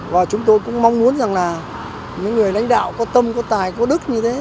và chúng tôi cũng mong muốn rằng là những người lãnh đạo có tâm có tài có đức như thế